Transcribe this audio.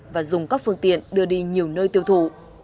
và dùng các phương tiện đưa đi nhiều nơi tiêu thụ